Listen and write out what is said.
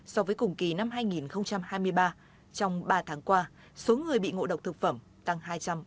so với cùng kỳ năm hai nghìn hai mươi ba trong ba tháng qua số người bị ngộ độc thực phẩm tăng hai trăm ba mươi